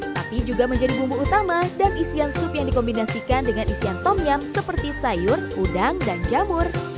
tapi juga menjadi bumbu utama dan isian sup yang dikombinasikan dengan isian tomnyam seperti sayur udang dan jamur